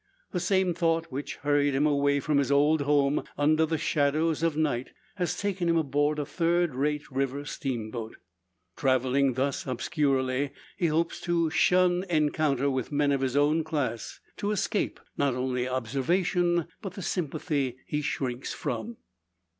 The same thought which hurried him away from his old home under the shadows of night, has taken him aboard a third rate river steamboat. Travelling thus obscurely, he hopes to shun encounter with men of his own class; to escape not only observation, but the sympathy he shrinks from.